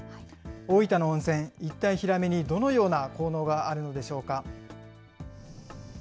大分の温泉、一体ヒラメにどのような効能があるのでしょうか。